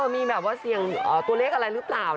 มีแบบว่าเสี่ยงตัวเลขอะไรหรือเปล่า